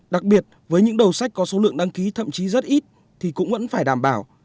đặc biệt với những đầu sách có số lượng đăng ký thậm chí rất ít thì cũng vẫn phải đảm bảo